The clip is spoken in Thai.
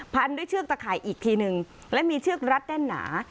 พันด้วยเชือกตะข่ายอีกทีนึงและมีเชือกรัดแน่นหนา